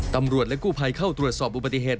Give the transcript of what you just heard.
ตำรวจและกู้ภัยเข้าตรวจสอบอุบัติเหตุ